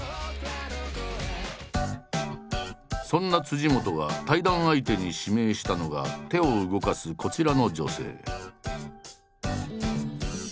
そんな本が対談相手に指名したのが手を動かすこちらの女性。